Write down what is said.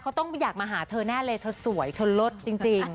เขาต้องอยากมาหาเธอแน่เลยเธอสวยเธอลดจริง